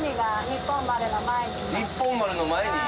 日本丸の前に？